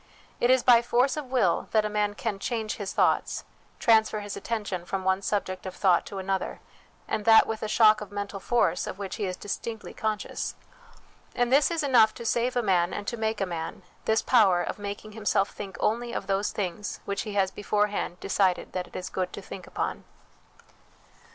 It is by force of will that a man can * change his thoughts/ transfer his attention from one subject of thought to another, and that, with a shock of mental force of which he is distinctly con scious. And this is enough to save a man and to make a man, this power of making himself think only of those things which he has beforehand decided that it is good to think upon.